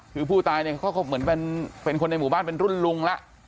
คือผู้ตายเนี่ยเขาก็เหมือนเป็นคนในหมู่บ้านเป็นรุ่นลุงแล้ว